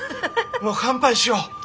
もう乾杯しよう。